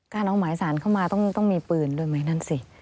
การเอาหมายสารเข้ามาต้องมีปืนเลยมั้ยนั้นสิ